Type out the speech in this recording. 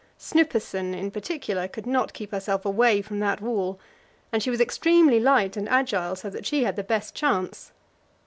Snuppesen, in particular, could not keep herself away from that wall, and she was extremely light and agile, so that she had the best chance.